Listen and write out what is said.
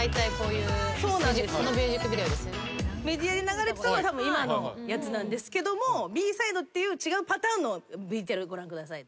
メディアで流れてたのはたぶん今のやつなんですけどＢ−ｓｉｄｅっていう違うパターンのＶＴＲご覧ください。